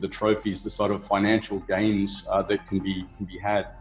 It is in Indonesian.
dan banyak penguntungan finansial yang dapat diperlukan